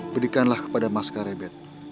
berikanlah kepada mas karebet